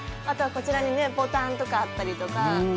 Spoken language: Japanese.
あとはこちらにねボタンとかあったりとか。